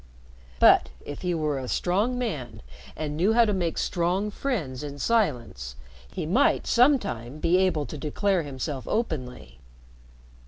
But, if he were a strong man and knew how to make strong friends in silence, he might sometime be able to declare himself openly."